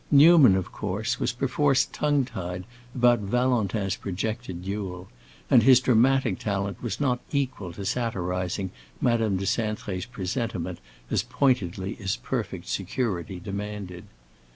Newman, of course, was perforce tongue tied about Valentin's projected duel, and his dramatic talent was not equal to satirizing Madame de Cintré's presentiment as pointedly as perfect security demanded.